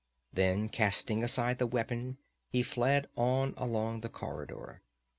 Then casting aside the weapon he fled on along the corridor.